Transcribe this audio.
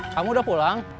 kamu udah pulang